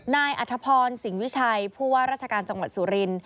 อัธพรสิงหวิชัยผู้ว่าราชการจังหวัดสุรินท